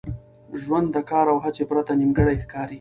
ژوند د کار او هڅي پرته نیمګړی ښکاري.